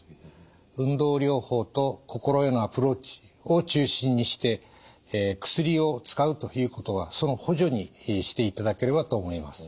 運動療法と心へのアプローチを中心にして薬を使うということはその補助にしていただければと思います。